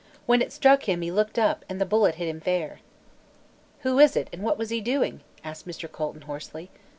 When it struck him he looked up and the bullet hit him fair." "Who is it, and what was he doing?" asked Mr. Colton hoarsely.